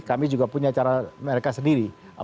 kami juga punya cara mereka sendiri